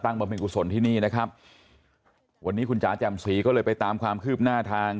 ตั้งมาเป็นกุศลที่นี่นะครับวันนี้คุณจ๋าจำศรีก็เลยไปตามความคืบหน้าทาง